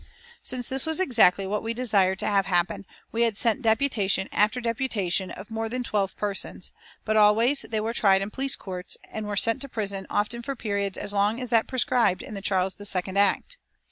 Since this was exactly what we desired to have happen we had sent deputation after deputation of more than twelve persons, but always they were tried in police courts, and were sent to prison often for periods as long as that prescribed in the Charles II Act.